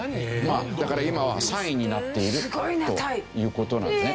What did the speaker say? だから今は３位になっているという事なんですね。